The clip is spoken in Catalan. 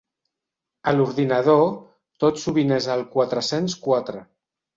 A l'ordinador tot sovint és el quatre-cents quatre.